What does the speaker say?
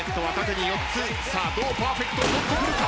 どうパーフェクトを取ってくるか！？